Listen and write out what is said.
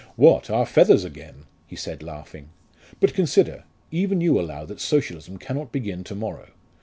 "What our feathers again!" he said laughing. "But consider. Even you allow that Socialism cannot begin to morrow.